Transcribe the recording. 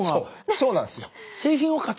そうなんですよ。